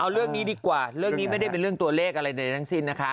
เอาเรื่องนี้ดีกว่าเรื่องนี้ไม่ได้เป็นเรื่องตัวเลขอะไรใดทั้งสิ้นนะคะ